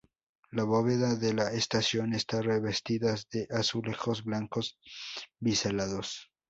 La bóveda de la estación está revestidas de azulejos blancos biselados.